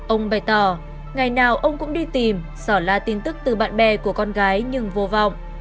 ông bày tỏ ngày nào ông cũng đi tìm sỏ la tin tức từ bạn bè của con gái nhưng vô vọng